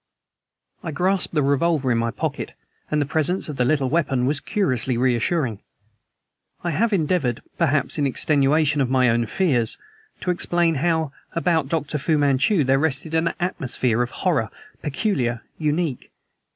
I grasped the revolver in my pocket, and the presence of the little weapon was curiously reassuring. I have endeavored, perhaps in extenuation of my own fears, to explain how about Dr. Fu Manchu there rested an atmosphere of horror, peculiar, unique.